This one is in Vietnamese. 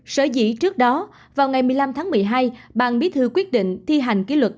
sở dĩ trước đó vào ngày một mươi năm tháng một mươi hai ban bí thư quyết định thi hành kỷ luật